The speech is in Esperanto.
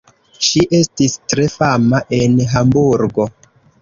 Ŝi estis tre fama en Hamburgo.